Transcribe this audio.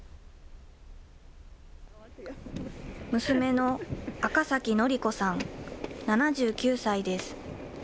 娘の赤崎紀子さん７９歳です。